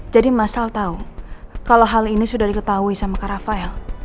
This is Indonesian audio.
jadi mas al tau kalo hal ini sudah diketahui sama kak rafael